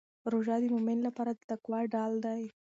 روژه د مؤمن لپاره د تقوا ډال دی.